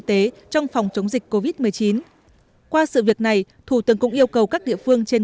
tế trong phòng chống dịch covid một mươi chín qua sự việc này thủ tướng cũng yêu cầu các địa phương trên